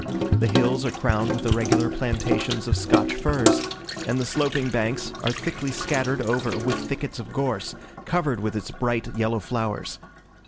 The hills are crowned with irregular plantations of Scotch firs; and the sloping banks are thickly scattered over with thickets of gorse, covered with its bright yellow flowers.